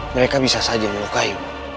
mereka bisa saja melukai